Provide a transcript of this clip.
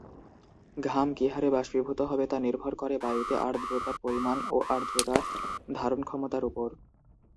ঘাম কি হারে বাষ্পীভূত হবে তা নির্ভর করে বায়ুতে আর্দ্রতার পরিমাণ ও আর্দ্রতা ধারণক্ষমতার ওপর।